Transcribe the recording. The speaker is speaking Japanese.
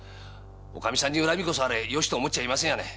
内儀さんに恨みこそあれ“よし”と思っちゃいません。